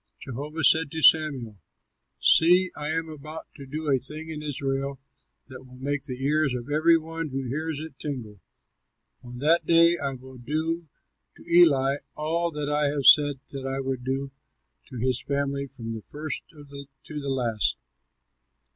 Jehovah said to Samuel, "See, I am about to do a thing in Israel that will make the ears of every one who hears it tingle. On that day I will do to Eli all that I have said that I would do to his family from the first to the last.